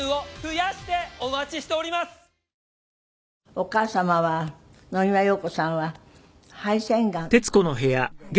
お母様は野際陽子さんは肺腺がんで。